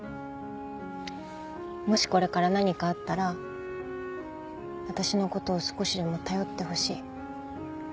もしこれから何かあったら私の事を少しでも頼ってほしい。